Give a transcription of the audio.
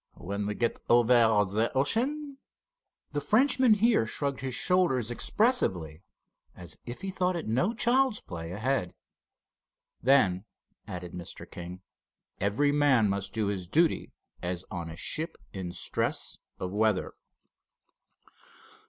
When we get over the ocean——" The Frenchman here shrugged his shoulders expressively, as if he thought it no child's play ahead. "Then," added Mr. King, "every man must do his duty as on a ship in stress of weather."